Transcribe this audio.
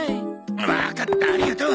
わかったありがとう。